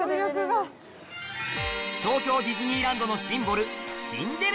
・東京ディズニーランドのシンボル